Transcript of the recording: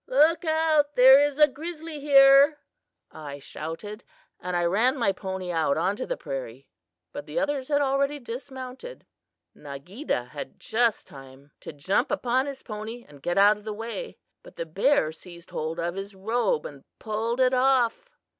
'Look out! there is a grizzly here,' I shouted, and I ran my pony out on to the prairie; but the others had already dismounted. "Nageedah had just time to jump upon his pony and get out of the way, but the bear seized hold of his robe and pulled it off.